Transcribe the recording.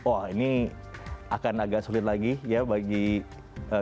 wah ini akan agak sulit lagi ya bagi pemerintah